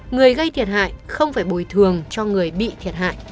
người gây thiệt hại không phải bồi thường cho người bị thiệt hại